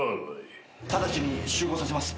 直ちに集合させます。